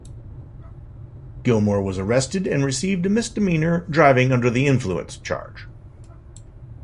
Gilmore was arrested and received a misdemeanor driving under the influence charge.